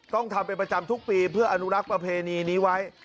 ต้องทำเป็นประจำทุกปีเพื่ออนุรักษ์ประเพณีนี้ไว้